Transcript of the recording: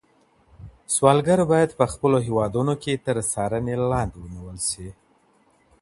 سوالګر باید په خپلو هېوادونو کې تر څارنې لاندې ونیول شي.